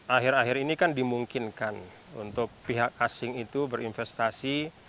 akhir akhir ini kan dimungkinkan untuk pihak asing itu berinvestasi